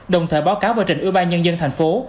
đồng thời báo cáo vợ trình ủy ban nhân dân tp hcm